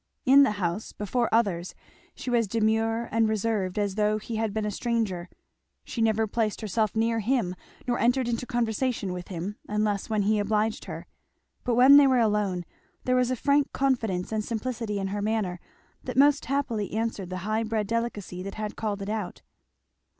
In the house, before others, she was as demure and reserved as though he had been a stranger; she never placed herself near him, nor entered into conversation with him, unless when he obliged her; but when they were alone there was a frank confidence and simplicity in her manner that most happily answered the high bred delicacy that had called it out.